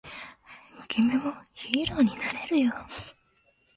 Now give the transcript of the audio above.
君もヒーローになれるよ